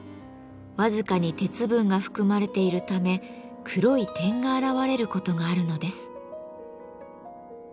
僅かに鉄分が含まれているため黒い点が現れることがあるのです。